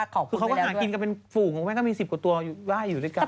คือเขาก็หากินกันเป็นฝูงของแม่ก็มี๑๐กว่าตัวได้อยู่ด้วยกัน